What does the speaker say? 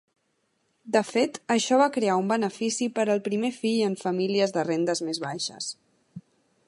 De fet, això va crear un benefici per al primer fill en famílies de rendes més baixes.